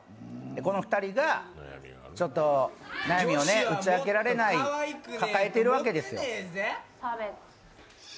この２人が悩みを打ち明けられない抱えているわけですよ。